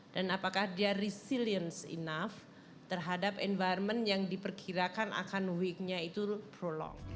dan apakah dia resilient enough terhadap environment yang diperkirakan akan weak nya itu prolong